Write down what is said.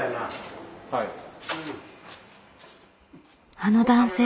あの男性